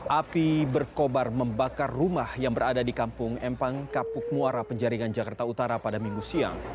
api berkobar membakar rumah yang berada di kampung empang kapuk muara penjaringan jakarta utara pada minggu siang